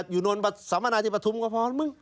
อยู่นอนสำนานะที่ประธุมก็พอ